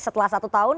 setelah satu tahun